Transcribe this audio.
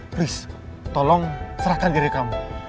please tolong serahkan diri kamu